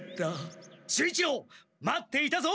守一郎待っていたぞ！